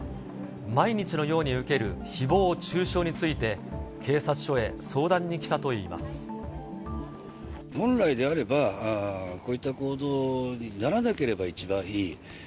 毎日のように受けるひぼう中傷について、警察署へ相談に来たとい本来であれば、こういった行動にならなければ一番いい。